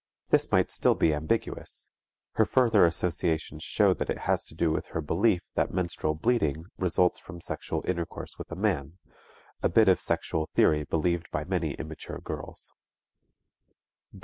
This might still be ambiguous; her further associations show that it has to do with her belief that menstrual bleeding results from sexual intercourse with a man, a bit of sexual theory believed by many immature girls.